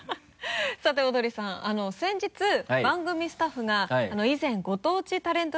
さてオードリーさん先日番組スタッフが以前ご当地タレント